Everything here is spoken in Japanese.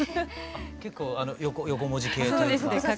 結構横文字系というか。